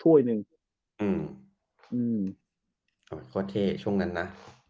โอเคเท่ช่วงนั้นนะ